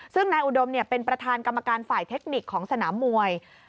ซึ่งนายอุดมเป็นประธานกรรมการฝ่ายเทคนิคของสนามมวย